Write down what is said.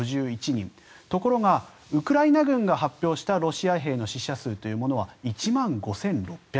ところが、ウクライナ軍が発表したロシア兵の死者数というのは１万５６００人。